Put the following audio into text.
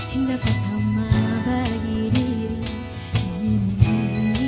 cinta pertama bagi diri